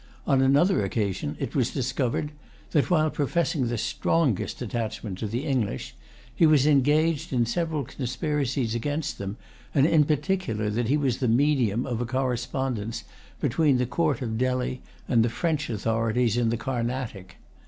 On another occasion it was discovered that, while professing the strongest attachment to the English, he was engaged in several conspiracies against them, and in particular that he was the medium of a correspondence between the court of Delhi and the French authorities in the Carnatic.